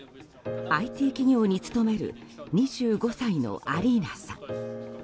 ＩＴ企業に勤める２５歳のアリーナさん。